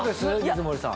水森さん。